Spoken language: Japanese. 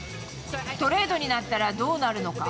トレードになったらどうなるのか？